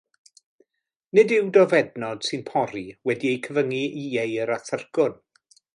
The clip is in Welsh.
Nid yw dofednod sy'n pori wedi'u cyfyngu i ieir a thyrcwn.